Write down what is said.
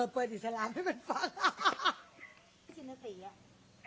เปิดอิสระให้มันฟัง